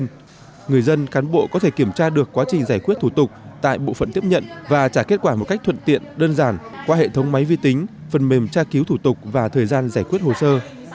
tuy nhiên người dân cán bộ có thể kiểm tra được quá trình giải quyết thủ tục tại bộ phận tiếp nhận và trả kết quả một cách thuận tiện đơn giản qua hệ thống máy vi tính phần mềm tra cứu thủ tục và thời gian giải quyết hồ sơ